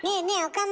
岡村。